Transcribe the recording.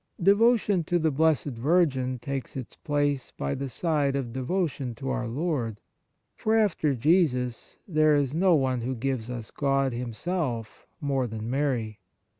Devotion to the Blessed Virgin takes its place by the side of devotion to our Lord ; for, after Jesus, there is no one who gives us God Himself more than Mary.